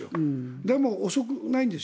でも、遅くないんです。